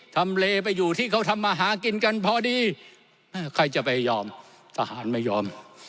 ทำเลไปอยู่ที่เขาทำมาหากินกันพอดีใครจะไปยอมทหารไม่ยอม